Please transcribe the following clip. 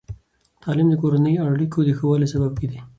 تعلیم د کورني اړیکو د ښه والي سبب دی.